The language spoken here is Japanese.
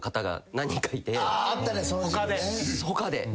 他で？